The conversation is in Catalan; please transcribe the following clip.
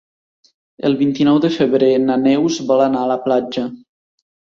El vint-i-nou de febrer na Neus vol anar a la platja.